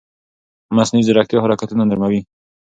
مصنوعي ځیرکتیا حرکتونه نرموي.